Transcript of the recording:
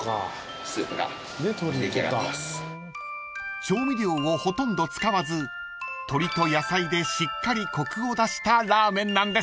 ［調味料をほとんど使わず鶏と野菜でしっかりコクを出したラーメンなんです］